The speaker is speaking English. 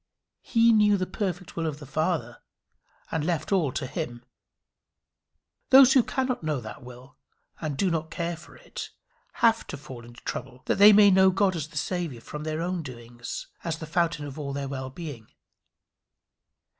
He knew the perfect will of the Father, and left all to him. Those who cannot know that will and do not care for it, have to fall into trouble that they may know God as the Saviour from their own doings as the fountain of all their well being.